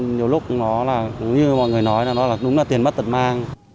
nhiều lúc nó là cũng như mọi người nói là nó là đúng là tiền mất tật mang